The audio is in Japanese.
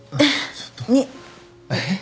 ちょっとえっ？